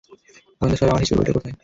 গোয়েন্দা সাহেব, আমার হিসেবের বইটা কোথায়?